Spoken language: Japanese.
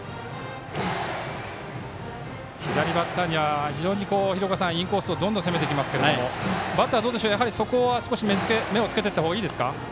左バッターにはインコースをどんどん攻めてきますけどバッターはそこは目をつけていったほうがいいですか。